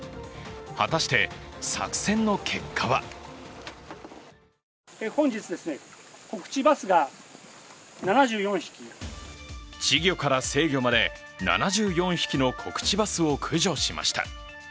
果たして作戦の結果は稚魚から成魚まで７４匹のコクチバスを駆除しました。